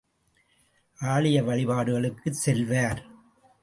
ஆலய வழிபாடுகளுக்குச் செல்வார்.